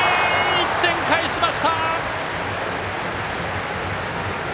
１点返しました。